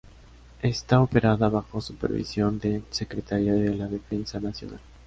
Está operada bajo supervisión del Secretaría de la Defensa Nacional.